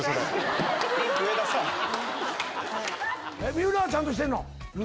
水卜はちゃんとしてんの？